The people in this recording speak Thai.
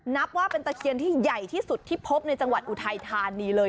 นับว่าเป็นตะเคียนที่ใหญ่ที่สุดที่พบในจังหวัดอุทัยธานีเลย